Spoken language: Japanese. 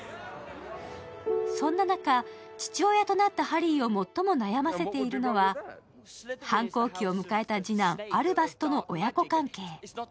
そんな中、父親となったハリーを最も悩ませているのは反抗期を迎えた次男・アルバスとの親子関係。